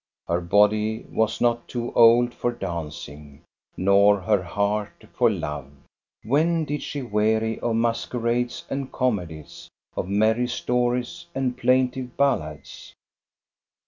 Her body was not too old for dancing, nor her heart for love. When did she weary of mas querades and comedies, of merry stories and plaintive ballads